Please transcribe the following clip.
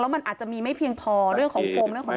มันอาจจะมีไม่เพียงพอเรื่องของโฟมเรื่องของ